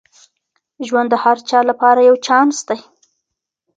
ژوند د هر چا لپاره یو چانس دی.